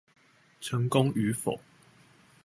成功與否